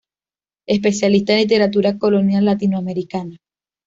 Especialista en literatura colonial latinoamericana.